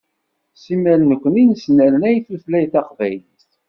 Simmal nekni nesnernay tutlayt taqbaylit.